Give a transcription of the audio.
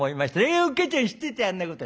「えおっかちゃん知っててあんなこと」。